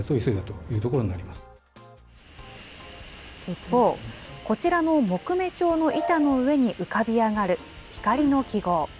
一方、こちらの木目調の板の上に浮かび上がる光の記号。